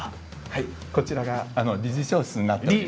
はいこちらが理事長室になっております。